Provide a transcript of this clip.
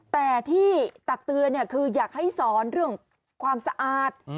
แต่ที่ตักเตือนคืออยากให้สอนเรื่องความสะอาด